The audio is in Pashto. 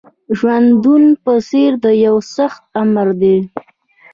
ژوندون په څېر د یوه سخت آمر دی